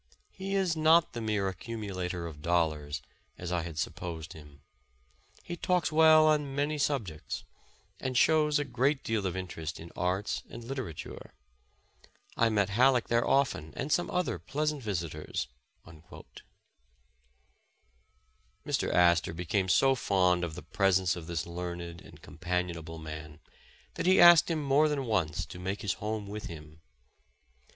He is not the mere accumulator of dol lars, as I had supposed him ; he talks well on many sub jects, and shows a great deal of interest in arts and lit 278 Friends and Companions eratiire. I met Halleck there often, and some other pleasant visitors." Mr, Astor became so fond of the presence of this learned and companionable man, that he asked him more than once to make his home with him.